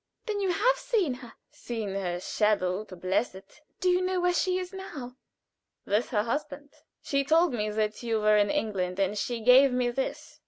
"Then you have seen her?" "Seen her shadow to bless it." "Do you know where she is now?" "With her husband at . She told me that you were in England, and she gave me this."